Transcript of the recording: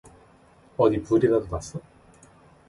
어디 불이라도 났어?